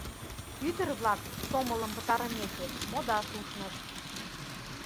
Ӱдыр-влак, сомылым пытарымеке, модаш ушнышт.